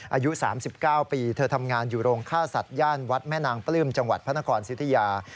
อายุ๓๙ปีเธอทำงานอยู่โรงฆ่าสัตว์ย่านวัดแม่นางปลื้มจังหวัดพระนครสิทธิยา